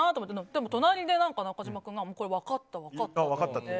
でも隣で中島君がこれ分かった、分かったって。